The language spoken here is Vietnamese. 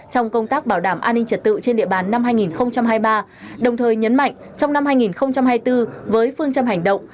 trong công tác bảo đảm an ninh trật tự trên địa bàn năm hai nghìn hai mươi ba đồng thời nhấn mạnh trong năm hai nghìn hai mươi bốn với phương châm hành động